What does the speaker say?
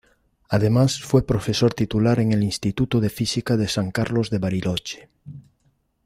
Además fue profesor titular en el Instituto de Física de San Carlos de Bariloche.